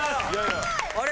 あれ？